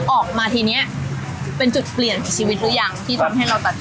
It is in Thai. ออกมาทีนี้เป็นจุดเปลี่ยนของชีวิตหรือยังที่ทำให้เราตัดสินใจ